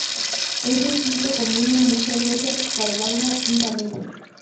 Es descrito como una mujer bella que cabalga un camello.